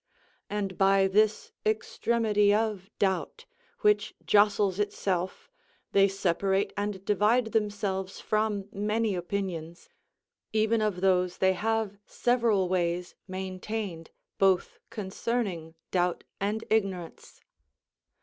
And by this extremity of doubt, which jostles itself, they separate and divide themselves from many opinions, even of those they have several ways maintained, both concerning doubt and ignorance.